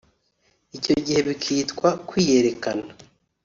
icyo gihe bikitwa “kwiyerekana”